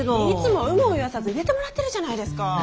いつも有無を言わさず入れてもらってるじゃないですか。